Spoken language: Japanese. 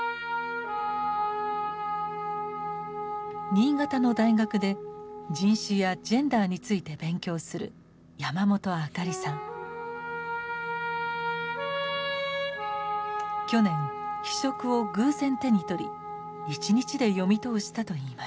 新潟の大学で人種やジェンダーについて勉強する去年「非色」を偶然手に取り一日で読み通したといいます。